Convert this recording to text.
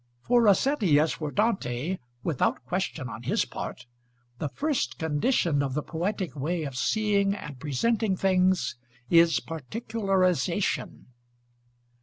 For Rossetti, as for Dante, without question on his part, the first condition of the poetic way of seeing and presenting things is particularisation.